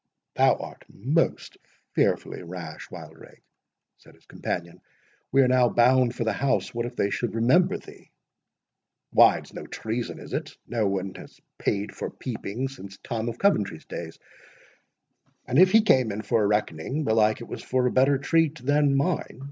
"Thou art most fearfully rash, Wildrake," said his companion; "we are now bound for the house—what if they should remember thee?" "Why, it is no treason, is it? No one has paid for peeping since Tom of Coventry's days; and if he came in for a reckoning, belike it was for a better treat than mine.